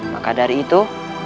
maka dari itu